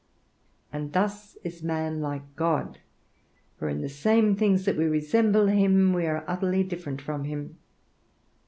And thus is man like God; for in the same things that we resemble him we are utterly different from him.